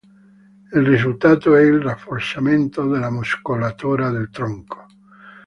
Il risultato è il rafforzamento della muscolatura del tronco.